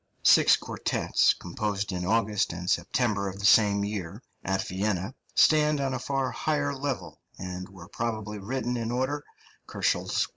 Six quartets, composed in August and September of the same year, at Vienna, stand on a far higher level, and were probably written to order (168 175, K.).